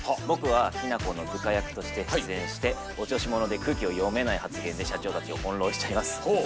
僕はひなこの部下役として出演して、お調子者で空気を読めない発言で社長たちを翻弄しちゃいます。